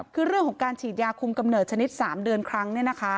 คือเรื่องของการฉีดยาคุมกำเนิดชนิด๓เดือนครั้ง